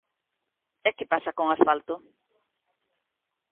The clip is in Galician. E que pasa con Asfalto?